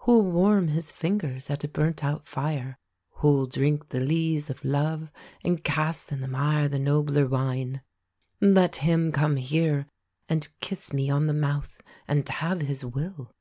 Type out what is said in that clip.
Who'll warm his fingers at a burnt out fire? Who'll drink the lees of love, and cast i' the mire The nobler wine? Let him come here, and kiss me on the mouth, And have his will!